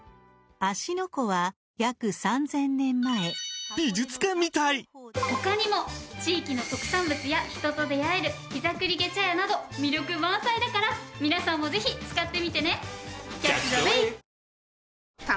「芦ノ湖は約３０００年前」地域の特産物や人と出会える膝栗毛茶屋など魅力満載だから皆さんもぜひ使ってみてね！